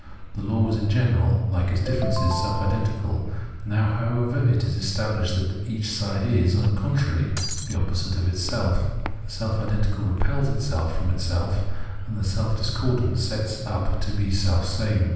The law was in general, hke its differences, self identical ; now, however, it is established that each side is, on the contrary, the opposite of itself. The self identical repels itself from itself, and the self discordant sets up to be selfsame.